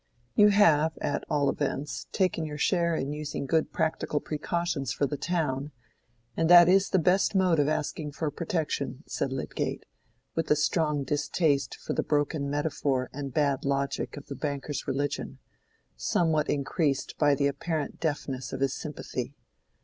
"You have at all events taken your share in using good practical precautions for the town, and that is the best mode of asking for protection," said Lydgate, with a strong distaste for the broken metaphor and bad logic of the banker's religion, somewhat increased by the apparent deafness of his sympathy.